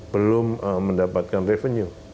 belum mendapatkan revenue